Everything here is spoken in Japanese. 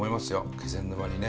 気仙沼にね。